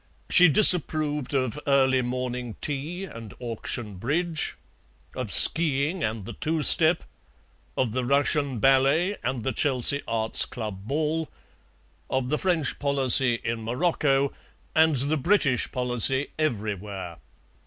She disapproved of early morning tea and auction bridge, of ski ing and the two step, of the Russian ballet and the Chelsea Arts Club ball, of the French policy in Morocco and the British policy everywhere.